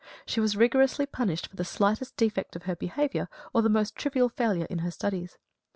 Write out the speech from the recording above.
She was rigorously punished for the slightest defect in her behaviour or the most trivial failure in her studies.